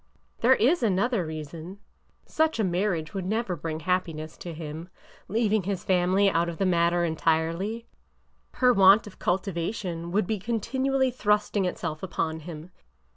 '' There is another reason. Such a marriage would never bring happiness to him, — leaving his family out of the matter entirely. Her want of cultivation would be continually thrusting itself upon him.